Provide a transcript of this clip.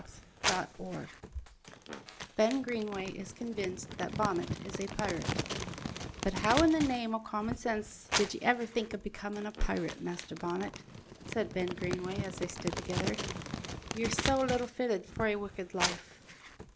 CHAPTER VIII BEN GREENWAY IS CONVINCED THAT BONNET IS A PIRATE "But how in the name o' common sense did ye ever think o' becomin' a pirate, Master Bonnet?" said Ben Greenway as they stood together. "Ye're so little fitted for a wicked life."